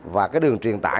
và đường truyền tài này